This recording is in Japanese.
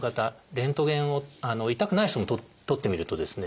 レントゲンを痛くない人も撮ってみるとですね